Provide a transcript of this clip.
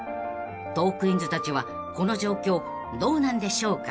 ［トークィーンズたちはこの状況どうなんでしょうか？］